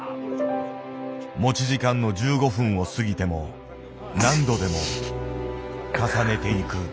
持ち時間の１５分を過ぎても何度でも重ねていく。